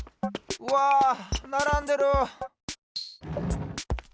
うわならんでる！